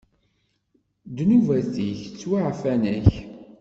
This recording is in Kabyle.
Ddnubat-ik ttwaɛfan-ak.